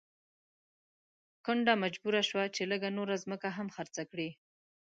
کونډه مجبوره شوه چې لږه نوره ځمکه هم خرڅه کړي.